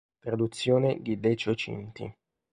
Traduzione di Decio Cinti.